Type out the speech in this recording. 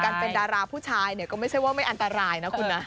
เป็นดาราผู้ชายเนี่ยก็ไม่ใช่ว่าไม่อันตรายนะคุณนะ